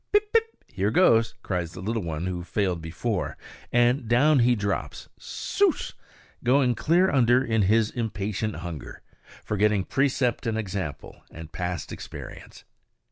Pip, pip! "here goes!" cries the little one who failed before; and down he drops, souse! going clear under in his impatient hunger, forgetting precept and example and past experience.